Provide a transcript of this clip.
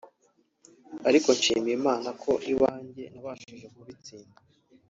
ariko nshima Imana ko iwanjye nabashije kubitsinda